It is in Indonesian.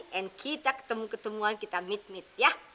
dan kita ketemu ketemuan kita meet meet ya